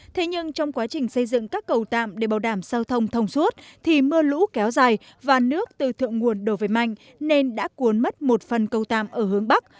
thế nhưng trong quá trình xây dựng các cầu tạm để bảo đảm giao thông thông suốt thì mưa lũ kéo dài và nước từ thượng nguồn đổ về mạnh nên đã cuốn mất một phần cầu tạm ở hướng bắc